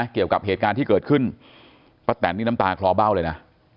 เกี่ยวกับเหตุการณ์ที่เกิดขึ้นป้าแตนนี่น้ำตาคลอเบ้าเลยนะ